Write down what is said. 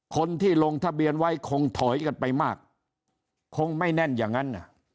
คนที่ลงทะเบียนไว้คงถอยกันไปมากคงไม่แน่นอย่างนั้น